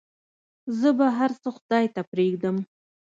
زه به هرڅه خداى ته پرېږدم.